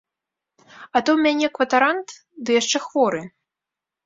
А то ў мяне кватарант, ды яшчэ хворы!